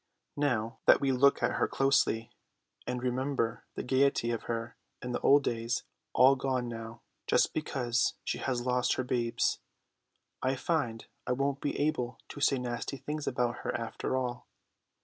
Now that we look at her closely and remember the gaiety of her in the old days, all gone now just because she has lost her babes, I find I won't be able to say nasty things about her after all.